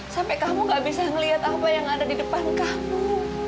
sampai kamu gak bisa melihat apa yang ada di depan kamu